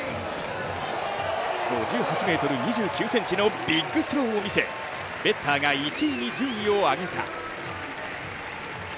５８ｍ２９ｃｍのビッグスローを見せベッターが１位に順位を上げた。